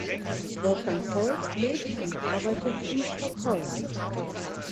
Wolfgang Volz lebt und arbeitet in Stockholm.